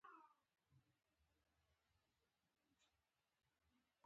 اوړی ولې ګرم وي؟